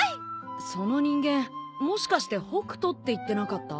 その人間もしかして北斗って言ってなかった？